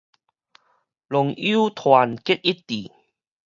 農友團結一致